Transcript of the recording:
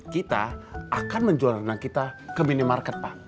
kita akan menjual renang kita ke minimarket pak